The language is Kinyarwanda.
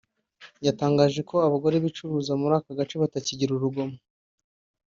yatangaje ko abagore bicuruza muri aka gace batakigira urugomo